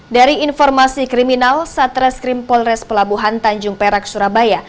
dari informasi kriminal satreskrim polres pelabuhan tanjung perak surabaya